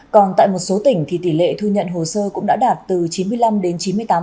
còn tại một số tỉnh thì tỷ lệ thu nhận hồ sơ cũng đã đạt từ chín mươi năm đến chín mươi tám